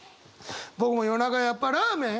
僕も夜中やっぱラーメン。